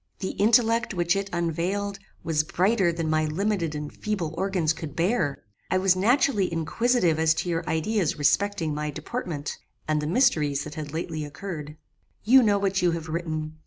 The intellect which it unveiled, was brighter than my limited and feeble organs could bear. I was naturally inquisitive as to your ideas respecting my deportment, and the mysteries that had lately occurred. "You know what you have written.